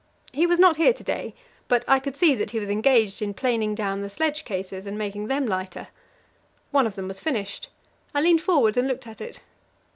He was not here to day, but I could see that he was engaged in planing down the sledge cases and making them lighter. One of them was finished; I leaned forward and looked at it.